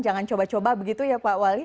jangan coba coba begitu ya pak wali